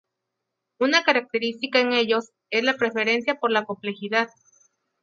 Una característica en ellos es la preferencia por la complejidad.